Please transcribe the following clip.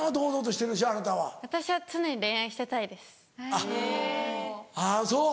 あっそう。